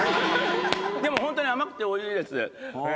でもホントに甘くておいしいです。